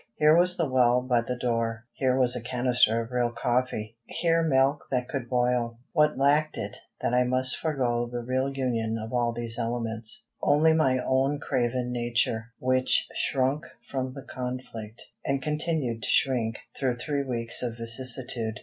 Here was the well by the door; here was a canister of real coffee; here milk that could boil. What lacked it that I must forego the real union of all these elements? Only my own craven nature, which shrunk from the conflict, and continued to shrink, through three weeks of vicissitude.